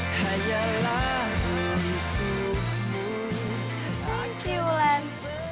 thank you lan